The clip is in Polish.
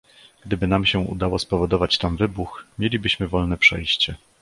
"Gdyby nam się udało spowodować tam wybuch, mielibyśmy wolne przejście."